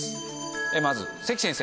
まず関先生。